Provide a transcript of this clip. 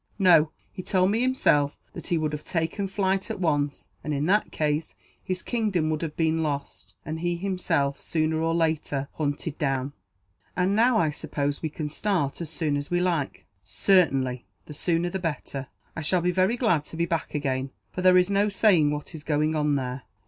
"No; he told me, himself, that he would have taken flight at once and, in that case, his kingdom would have been lost; and he himself, sooner or later, hunted down." "And now, I suppose we can start as soon as we like?" "Certainly; the sooner the better. I shall be very glad to be back again, for there is no saying what is going on there.